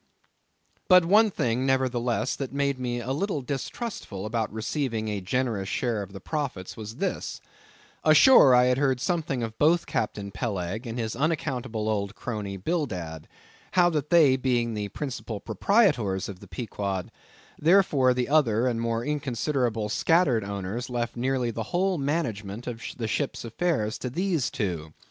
But one thing, nevertheless, that made me a little distrustful about receiving a generous share of the profits was this: Ashore, I had heard something of both Captain Peleg and his unaccountable old crony Bildad; how that they being the principal proprietors of the Pequod, therefore the other and more inconsiderable and scattered owners, left nearly the whole management of the ship's affairs to these two.